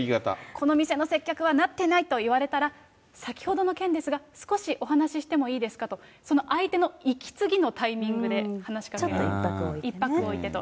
この店の接客はなってないと言われたら、先ほどの件ですが、少しお話してもいいですかと、その相手の息継ぎのタイミングで話ちょっと１拍置いてね。